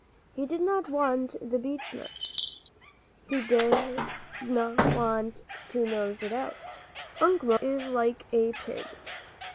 He did not want the beechnut; but he did want to nose it out. Unk Wunk is like a pig.